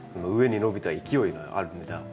上に伸びた勢いのある枝